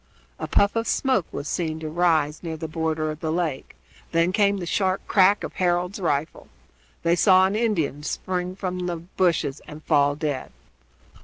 A puff of smoke was seen to rise near the border of the lake; then came the sharp crack of Harold's rifle. They saw an Indian spring from the bushes and fall dead.